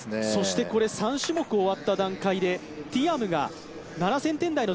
３種目終わった段階でティアムが７０００点台の